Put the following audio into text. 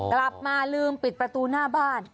กลับมาลืมปิดประตูหน้าบ้าน